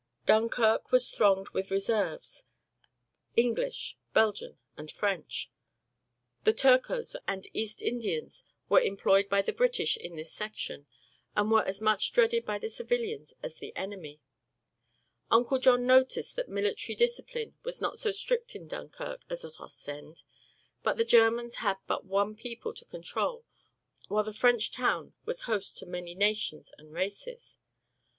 Dunkirk was thronged with reserves English, Belgian and French. The Turcos and East Indians were employed by the British in this section and were as much dreaded by the civilians as the enemy. Uncle John noticed that military discipline was not so strict in Dunkirk as at Ostend; but the Germans had but one people to control while the French town was host to many nations and races.